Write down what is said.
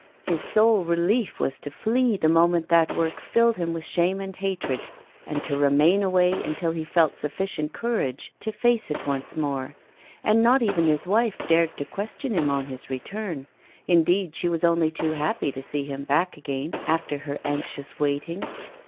His sole relief was to flee the moment that work filled him with shame and hatred, and to remain away until he felt sufficient courage to face it once more. And not even his wife dared to question him on his return indeed, she was only too happy to see him back again after her anxious waiting.